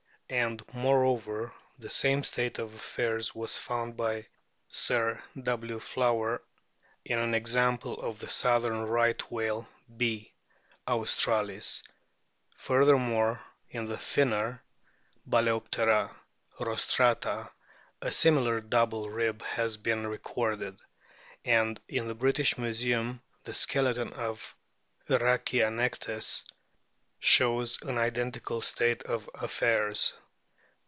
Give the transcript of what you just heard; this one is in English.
And, moreover, the same state of affairs was found by Sir W. Flower in an example of the southern Right whale B. austrahs. Furthermore, in the Finner, Bal&noptera rostrata, a similar "double" rib has been recorded, and in the British Museum the skeleton of Rhachianectes shows an identical state of affairs.